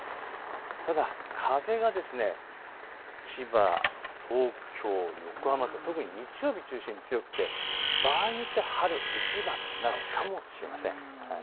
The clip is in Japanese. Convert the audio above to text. ただ風が千葉、東京、横浜と特に日曜日中心に強くて場合によっては春一番になるかもしれません。